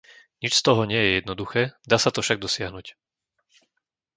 Nič z toho nie je jednoduché, dá sa to však dosiahnuť.